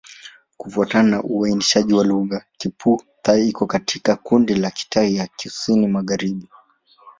Kufuatana na uainishaji wa lugha, Kiphu-Thai iko katika kundi la Kitai ya Kusini-Magharibi.